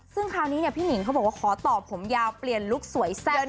ซึ่งคราวนี้พี่หนิงเขาบอกว่าขอตอบผมยาวเปลี่ยนลุคสวยแซ่บ